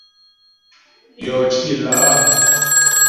Yɔ cì lá'.